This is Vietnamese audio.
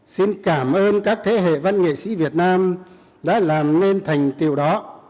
xin cảm ơn các thế hệ văn nghệ sĩ việt nam đã làm nên thành tiêu đó